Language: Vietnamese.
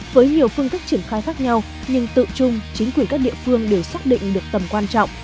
với nhiều phương thức triển khai khác nhau nhưng tự chung chính quyền các địa phương đều xác định được tầm quan trọng